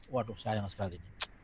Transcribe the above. waduh sayang sekali